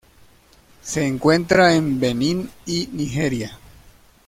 Se encuentra en Benín y Nigeria.